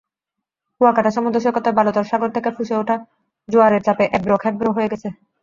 কুয়াকাটা সমুদ্রসৈকতের বালুতট সাগর থেকে ফুঁসে ওঠা জোয়ারের চাপে এবড়োখেবড়ো হয়ে গেছে।